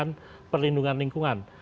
mengurangkan perlindungan lingkungan